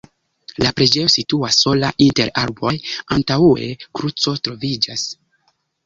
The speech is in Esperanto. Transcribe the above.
La preĝejo situas sola inter arboj, antaŭe kruco troviĝas.